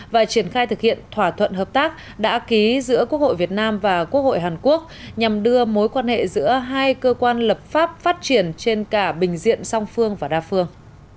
và triển khai thực hiện thỏa thuận hợp tác đã ký giữa quốc hội việt nam và quốc hội hàn quốc nhằm đưa mối quan hệ giữa hai cơ quan lập pháp phát triển trên cả bình diện song phương và đa phương